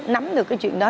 nắm được cái chuyện đó